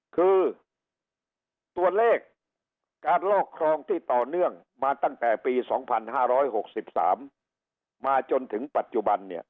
คือตัวเลขการลอกครองที่ต่อเนื่องมาตั้งแต่ปี๒๕๖๓มาจนถึงปัจจุบัน